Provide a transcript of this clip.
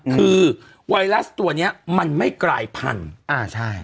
คือไวรัสตัวเนี่ยมันไม่กลายพันธุ์